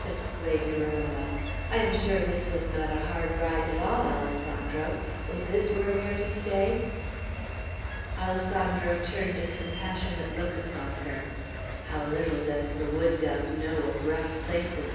exclaimed Ramona. "I am sure this was not a hard ride at all, Alessandro! Is this where we are to stay?" Alessandro turned a compassionate look upon her. "How little does the wood dove know of rough places!"